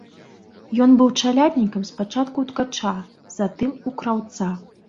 Ён быў чаляднікам спачатку ў ткача, затым у краўца.